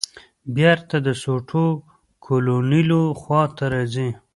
بېرته د سوټو کولونیلو خواته راځې.